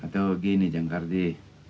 atau gini jangkardi